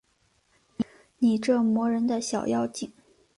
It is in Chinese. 你这磨人的小妖精